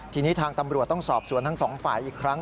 ทีนี้ทางตำรวจต้องสอบสวนทั้งสองฝ่ายอีกครั้ง